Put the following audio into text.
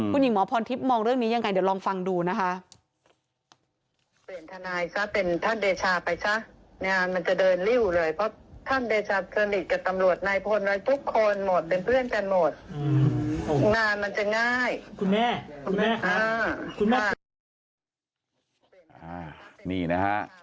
คุณหญิงหมอพรทิพย์มองเรื่องนี้ยังไงเดี๋ยวลองฟังดูนะคะ